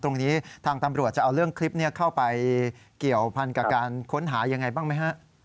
ตรงนี้ทางตำรวจจะเอาเรื่องคลิปนี้เข้าไปเกี่ยวพันกับการค้นหายังไงบ้างไหมฮะ